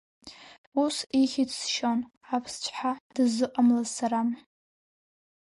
Ус ихьӡ сшьон, Аԥсцәҳа дыззыҟамлаз сара.